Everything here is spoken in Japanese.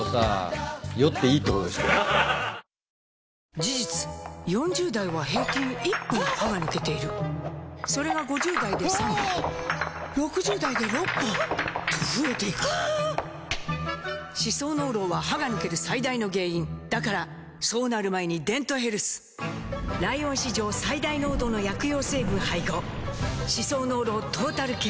事実４０代は平均１本歯が抜けているそれが５０代で３本６０代で６本と増えていく歯槽膿漏は歯が抜ける最大の原因だからそうなる前に「デントヘルス」ライオン史上最大濃度の薬用成分配合歯槽膿漏トータルケア！